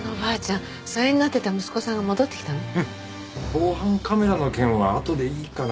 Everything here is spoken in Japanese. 防犯カメラの件はあとでいいかな？